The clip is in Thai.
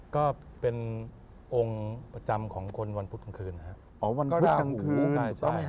ก็เป็นองค์ประจำของคนวันพุธข้างคืน